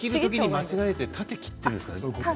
間違えて縦を切っているんですかね？